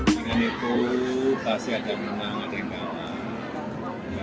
dengan itu pasti ada menang ada yang kalah